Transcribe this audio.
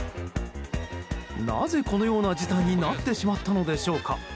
なぜ、このような事態になってしまったのでしょうか。